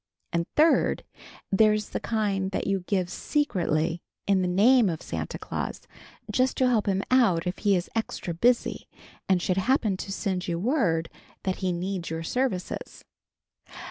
And third, there's the kind that you give secretly, in the name of Santa Claus, just to help him out if he is extra busy and should happen to send you word that he needs your services.